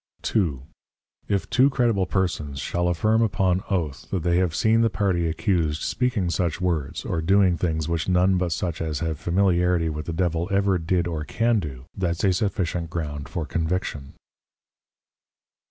2. _If two credible Persons shall affirm upon Oath that they have seen the party accused speaking such words, or doing things which none but such as have Familiarity with the Devil ever did or can do, that's a sufficient Ground for Conviction.